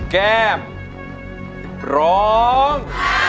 แก้มร้อง